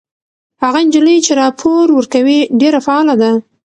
هغه نجلۍ چې راپور ورکوي ډېره فعاله ده.